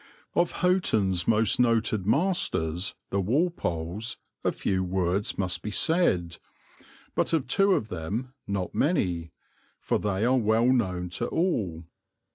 Of Houghton's most noted masters, the Walpoles, a few words must be said, but of two of them not many, for they are well known to all.